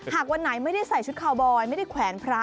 วันไหนไม่ได้ใส่ชุดคาวบอยไม่ได้แขวนพระ